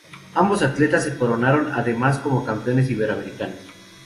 Ambos atletas se coronaron además como campeones iberoamericanos.